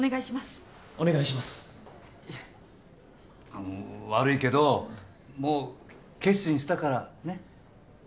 あの悪いけどもう決心したからねっ。